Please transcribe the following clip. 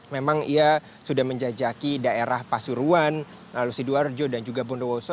memang ia sudah menjajaki daerah pasuruan lalu sidoarjo dan juga bondowoso